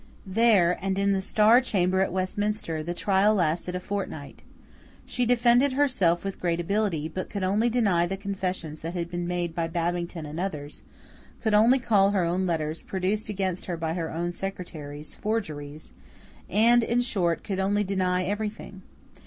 There, and in the Star Chamber at Westminster, the trial lasted a fortnight. She defended herself with great ability, but could only deny the confessions that had been made by Babington and others; could only call her own letters, produced against her by her own secretaries, forgeries; and, in short, could only deny everything.